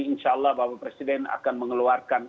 insya allah bapak presiden akan mengeluarkan